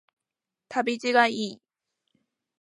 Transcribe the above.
旅路がいい